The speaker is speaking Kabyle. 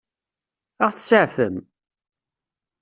Ad ɣ-tseɛfem?